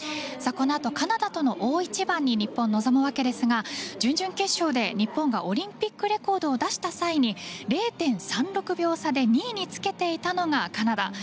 このあとカナダとの大一番に日本は臨むわけですが準々決勝で日本がオリンピックレコードを出した際に０．３６秒差で２位につけていたのがカナダ。